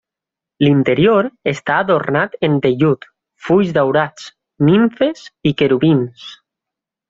L'interior està adornat en vellut, fulls daurats, nimfes i querubins.